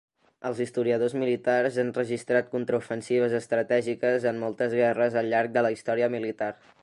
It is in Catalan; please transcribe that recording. Els historiadors militars han registrat contraofensives estratègiques en moltes guerres al llarg de la història militar.